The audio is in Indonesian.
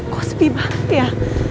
kok sepi banget ya